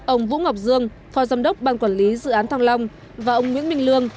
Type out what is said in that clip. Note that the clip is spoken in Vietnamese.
ông vũ ngọc dương phó giám đốc ban quản lý dự án thăng long và ông nguyễn minh lương